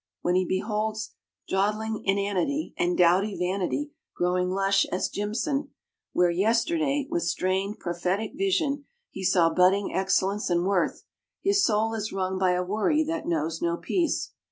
When he beholds dawdling inanity and dowdy vanity growing lush as jimson, where yesterday, with strained prophetic vision, he saw budding excellence and worth, his soul is wrung by a worry that knows no peace.